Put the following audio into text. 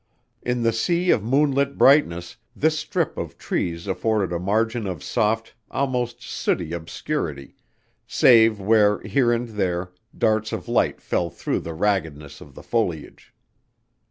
In the sea of moonlit brightness this strip of trees afforded a margin of soft, almost sooty obscurity, save where here and there darts of light fell through the raggedness of the foliage.